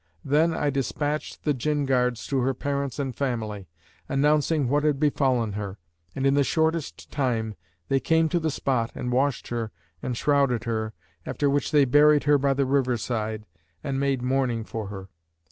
Then I despatched the Jinn guards to her parents and family, announcing what had befallen her; and in the shortest time they came to the spot and washed her and shrouded her, after which they buried her by the river side and made mourning for her.